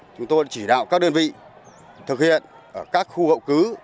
chúng tôi chỉ đạo các đơn vị thực hiện ở các khu hậu cứ